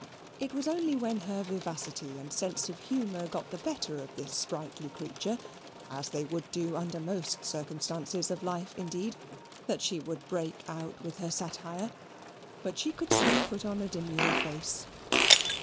It was only when her vivacity and sense of humour got the better of this sprightly creature (as they would do under most circumstances of life indeed) that she would break out with her satire, but she could soon put on a demure face.